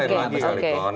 itu air lagi kali kon